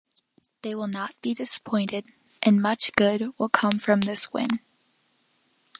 They will not be disappointed and much good will come from this win.